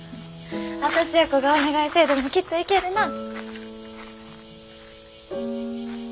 私やこがお願いせえでもきっと行けるなあ。